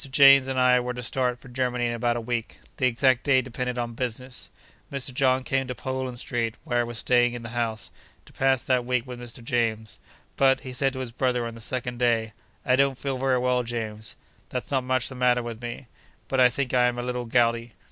James and I were to start for Germany in about a week. The exact day depended on business. Mr. John came to Poland Street (where I was staying in the house), to pass that week with Mr. James. But, he said to his brother on the second day, 'I don't feel very well, James. There's not much the matter with me; but I think I am a little gouty.